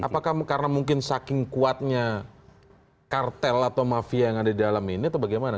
apakah karena mungkin saking kuatnya kartel atau mafia yang ada di dalam ini atau bagaimana